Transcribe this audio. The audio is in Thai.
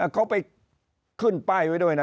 เขาไปขึ้นป้ายไว้ด้วยนะ